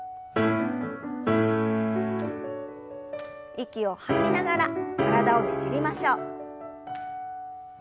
息を吐きながら体をねじりましょう。